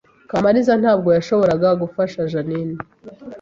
Kamariza ntabwo yashoboraga gufasha Jeaninne